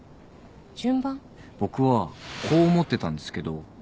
僕はこう思ってたんですけど。